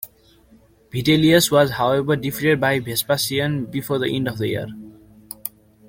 Vitellius was, however, defeated by Vespasian before the end of the year.